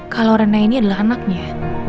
kalau rena ini adalah anaknya